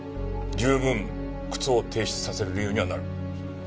十分靴を提出させる理由にはなる。